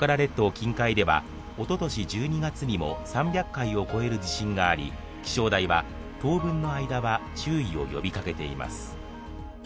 近海では、おととし１２月にも３００回を超える地震があり、気象台は当分の間は注意を呼びかけています。